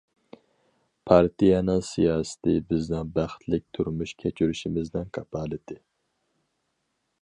پارتىيەنىڭ سىياسىتى بىزنىڭ بەختلىك تۇرمۇش كەچۈرۈشىمىزنىڭ كاپالىتى.